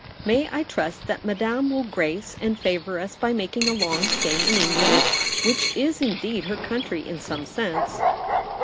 May I trust that Madame will grace and favour us by making a long stay in England? — which is indeed her country in some sense.'